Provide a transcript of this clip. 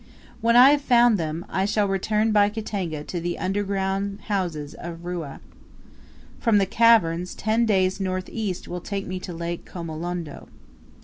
When I have found them, I shall return by Katanga to the underground houses of Rua. From the caverns, ten days north east will take me to Lake Kamolondo.